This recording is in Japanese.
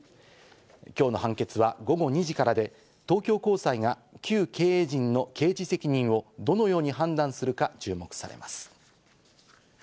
今日の判決は午後２時からで、東京高裁が旧経営陣の刑事責任をどのように判断するか注目されます。